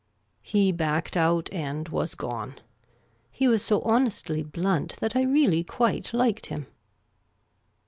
He backed out and was gone. He was so honestly blunt that I really quite liked him.